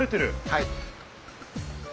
はい。